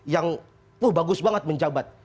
yang wah bagus banget menjabat